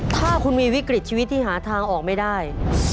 ถ้าคุณมีวิกฤตชีวิตที่หาทางออกไม่ได้